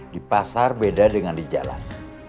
di pasar beda dengan di jalan